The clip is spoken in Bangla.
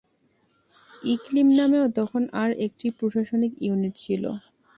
ইকলিম নামেও তখন আর একটি প্রশাসনিক ইউনিট ছিল।